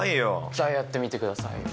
じゃあやってみてくださいよ。